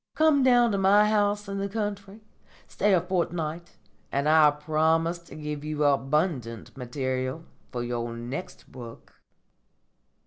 Come down to my house in the country, stay a fortnight, and I promise to give you abundant material for your next book."